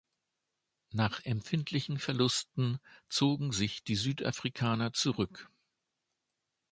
Nach empfindlichen Verlusten zogen sich die Südafrikaner zurück.